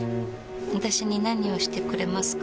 私に何をしてくれますか？